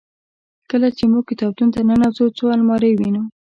کله چې موږ کتابتون ته ننوزو څو المارۍ وینو.